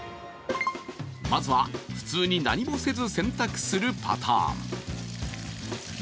まずは、普通に何もせず洗濯するパターン。